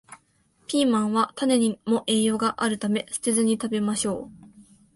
ピーマンは種にも栄養があるため、捨てずに食べましょう